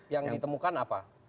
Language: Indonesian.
yang ditemukan apa